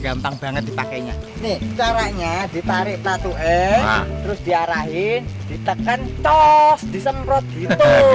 gampang banget dipakainya nih caranya ditarik satu eh terus diarahin ditekan tos disemprot itu